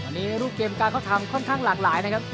วันนี้รูปเกมการเขาทำค่อนข้างหลากหลายนะครับ